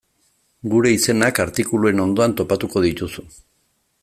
Gure izenak artikuluen ondoan topatuko dituzu.